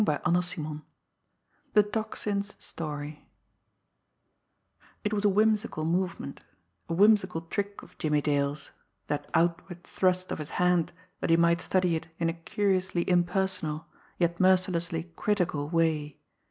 CHAPTER XXII THE TOCSIN'S STORY It was a whimsical movement, a whimsical trick of Jimmie Dale's that outward thrust of his hand that he might study it in a curiously impersonal, yet mercilessly critical way.